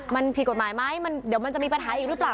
มันผิดกฎหมายไหมเดี๋ยวมันจะมีปัญหาอีกหรือเปล่า